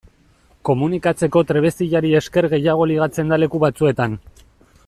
Komunikatzeko trebeziari esker gehiago ligatzen da leku batzuetan.